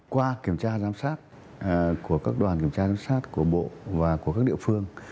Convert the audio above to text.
qua kiểm tra giám sát của các đoàn kiểm tra giám sát của bộ và của các địa phương